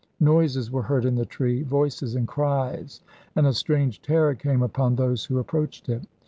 Noises were heard in the tree, voices and cries, and a strange terror came upon those who approached it.